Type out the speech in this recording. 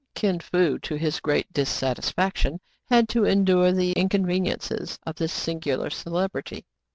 Kin Fo, to his great dissatisfaction, had to en dure the inconveniences of this singular celebrity.